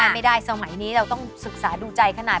ไม่ได้สมัยนี้เราต้องศึกษาดูใจขนาด